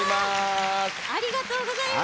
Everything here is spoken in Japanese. ありがとうございます。